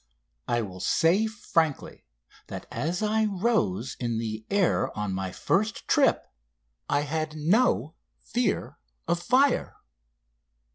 I will say frankly that as I rose in the air on my first trip I had no fear of fire.